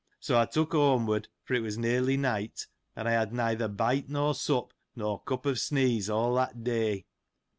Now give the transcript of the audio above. So, I took home ward, for it was nearly night ; and I had neither bite nor sup, nor cup of sneeze of all that day.